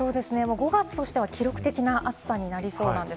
５月としては記録的な暑さとなりそうです。